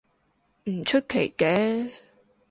唔出奇嘅